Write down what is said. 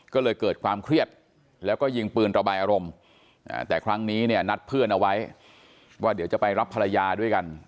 ก็เลยเกิดความเครียดแล้วก็ยิงปืนระบายอารมณ์แต่ครั้งนี้เนี่ยนัดเพื่อนเอาไว้ว่าเดี๋ยวจะไปรับภรรยาด้วยกัน